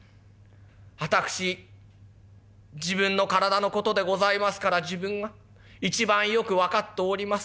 私自分の体の事でございますから自分が一番よく分かっております。